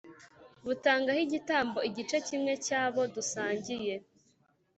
butangaho igitambo igice kimwe cy'abo dusangiye